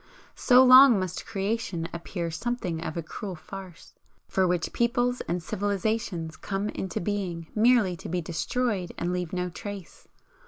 So long must Creation appear something of a cruel farce, for which peoples and civilisations come into being merely to be destroyed and leave no trace.